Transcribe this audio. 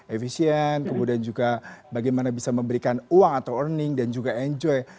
efisien kemudian juga bagaimana bisa memberikan uang atau earning dan juga enjoy